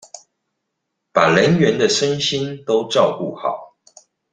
把人員的身心都照顧好